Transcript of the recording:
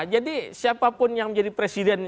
jadi siapapun yang menjadi presiden